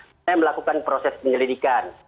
mulai melakukan proses penyelidikan